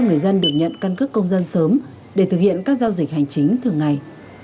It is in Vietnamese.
người dân được nhận căn cước công dân sớm để thực hiện các giao dịch hành chính thường ngày